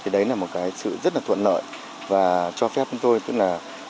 đấy là một sự rất thuận lợi và cho phép cho chúng tôi